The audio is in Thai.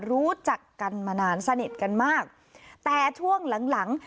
รู้จักกันมานานสนิทกันมากแต่ช่วงหลังหลัง